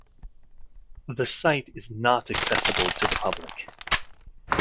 The site is not accessible to the public.